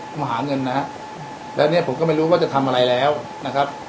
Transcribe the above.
มาหาเงินนะฮะแล้วเนี่ยผมก็ไม่รู้ว่าจะทำอะไรแล้วนะครับ